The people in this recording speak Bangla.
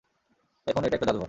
এখন এটা একটা জাদুঘর।